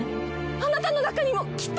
あなたの中にもきっと！